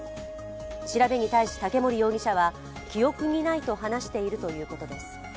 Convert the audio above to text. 調べに対し竹森容疑者は、記憶にないと話しているということです。